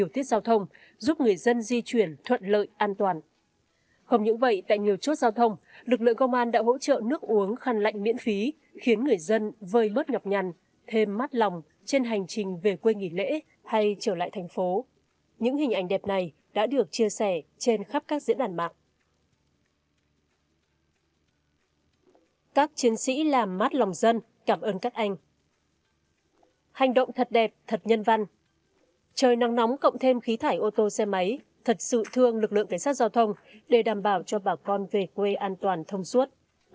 trời nắng nóng cộng thêm khí thải ô tô xe máy thật sự thương lực lượng cảnh sát giao thông để đảm bảo cho bà con về quê an toàn thông suốt